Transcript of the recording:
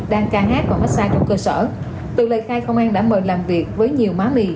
đang ca hát và massage trong cơ sở từ lời khai công an đã mời làm việc với nhiều má mì